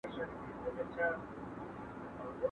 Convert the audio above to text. تا غمونو داسې وچ کـــــــړم بيــــمار نه يم